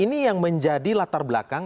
ini yang menjadi latar belakang